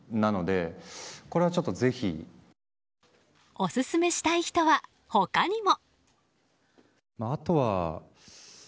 オススメしたい人は他にも。